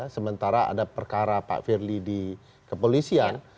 sementara ada perkara pak firly di kepolisian